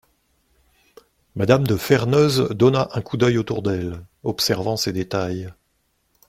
M^{me} de Ferneuse donna un coup d’œil autour d’elle, observant ces détails.